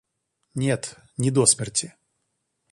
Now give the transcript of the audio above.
Нет, не до смерти